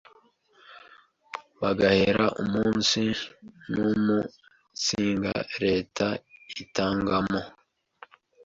bagahera umunsi numunsinga Leta itangamo